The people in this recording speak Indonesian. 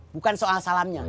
bukan soal salamnya